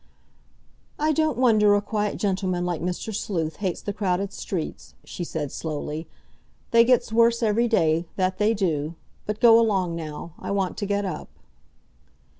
"I don't wonder a quiet gentleman like Mr. Sleuth hates the crowded streets," she said slowly. "They gets worse every day—that they do! But go along now; I want to get up."